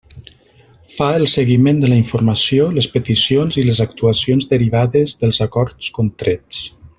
Fa el seguiment de la informació, les peticions i les actuacions derivades dels acords contrets.